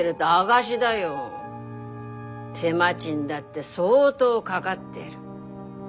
手間賃だって相当かがってる。